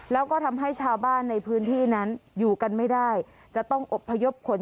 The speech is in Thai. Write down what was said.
แล้วก็ทำให้ชาวบ้านในพื้นที่นั้นอยู่กันไม่ได้จะต้องอบพยพขน